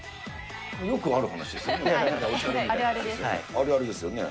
よくある話ですね。